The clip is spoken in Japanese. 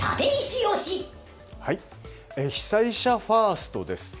被災者ファーストです。